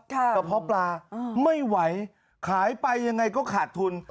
กระเพาะปลาไม่ไหวขายไปยังไงก็ขาดทุน